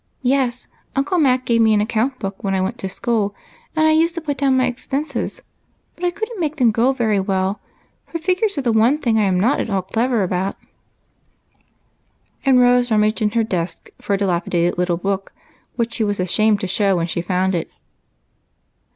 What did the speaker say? Yes, Uncle Mac gave me an account book when I went to school, and I used to put down my expenses, but I could n't make them go very well, for figures are the one thing I am not at all clever about," said Rose, rummaging in her desk for a dilaj^i dated little book, which she was ashamed to show when she found it.